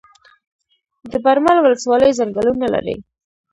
د برمل ولسوالۍ ځنګلونه لري